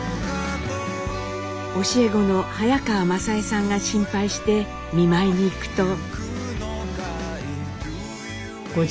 教え子の早川理枝さんが心配して見舞いに行くと。